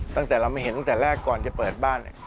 ตั้งแต่เราไม่เห็นตั้งแต่แรกก่อนจะเปิดบ้านเนี่ย